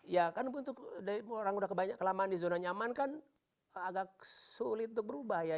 ya kan untuk orang udah kelamaan di zona nyaman kan agak sulit untuk berubah ya